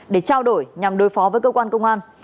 để trao đổi nhằm đối phó với cơ quan công an